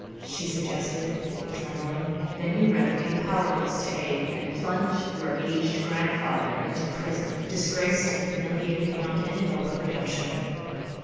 she suggested, trembling. "Then you render me powerless to aid, and plunge your aged grandfather into prison, disgraced and humiliated beyond any hope of redemption."